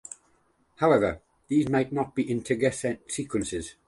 However these might not be integer sequences.